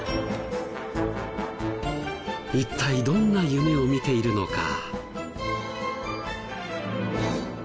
一体どんな夢を見ているのか？